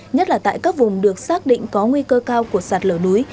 nhất là tại các vùng được xác định có nguy cơ cao của sạt lở núi